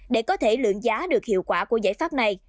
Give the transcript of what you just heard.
để có thể lượng giá được hiệu quả của giải pháp này